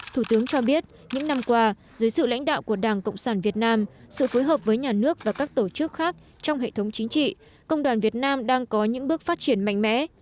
thủ tướng cho biết những năm qua dưới sự lãnh đạo của đảng cộng sản việt nam sự phối hợp với nhà nước và các tổ chức khác trong hệ thống chính trị công đoàn việt nam đang có những bước phát triển mạnh mẽ